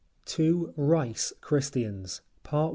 *Two "Rice" Christians* *Part I.